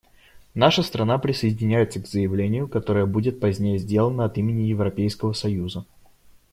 Наша страна присоединяется к заявлению, которое будет позднее сделано от имени Европейского союза.